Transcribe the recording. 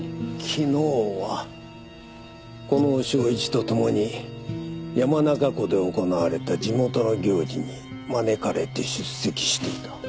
昨日はこの章一とともに山中湖で行われた地元の行事に招かれて出席していた。